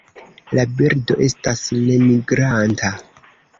La birdo estas nemigranta.